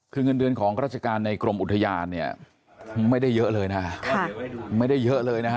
คือเงินเดือนของราชการในกรมอุทยานเนี่ยไม่ได้เยอะเลยนะฮะไม่ได้เยอะเลยนะฮะ